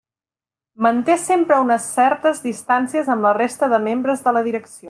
Manté sempre unes certes distàncies amb la resta de membres de la direcció.